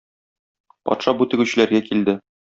Патша бу тегүчеләргә килде.